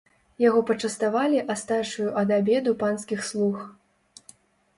Яго пачаставалі астачаю ад абеду панскіх слуг.